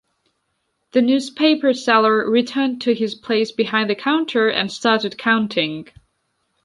The newspaper seller returned to his place behind the counter and started counting.